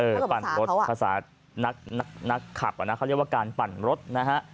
เออปั่นรถภาษานักขับว่าการปั่นรถนะฮะ